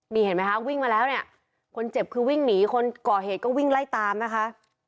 นี่เห็นไหมคะวิ่งมาแล้วเนี่ยคนเจ็บคือวิ่งหนีคนก่อเหตุก็วิ่งไล่ตามนะคะ